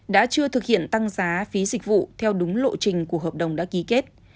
đã chưa thực hiện tăng giá phí dịch vụ theo đúng lộ trình của hợp đồng đã ký kết